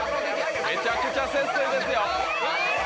めちゃくちゃ接戦ですよ。